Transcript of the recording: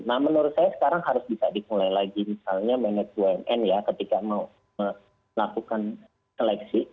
nah menurut saya sekarang harus bisa dimulai lagi misalnya manajemen ya ketika mau melakukan seleksi